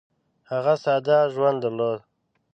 هغه ﷺ ساده ژوند درلود.